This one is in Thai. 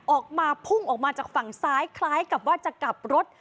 ออกมาพุ่งออกมาจากฝั่งซ้ายคล้ายกับว่าจะกลับรถ